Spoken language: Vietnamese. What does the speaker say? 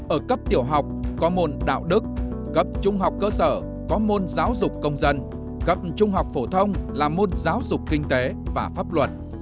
ở cấp tiểu học có môn đạo đức cấp trung học cơ sở có môn giáo dục công dân cấp trung học phổ thông là môn giáo dục kinh tế và pháp luật